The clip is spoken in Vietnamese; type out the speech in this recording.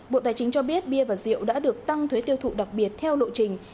bộ tài chính cho biết bia và rượu đã được tăng thuế tiêu thụ đặc biệt theo lộ trình